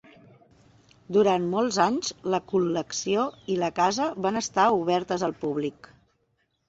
Durant molts anys, la col·lecció i la casa van estar obertes al públic.